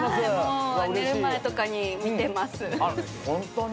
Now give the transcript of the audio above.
寝る前とかに見てます。